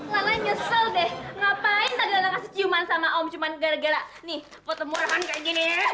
lala nyesel deh ngapain tak ada langkah ciuman sama om cuman gara gara nih foto murahan kayak gini